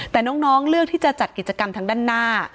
แต่น้องเลือกที่จะจัดกิจกรรมทางด้านหน้า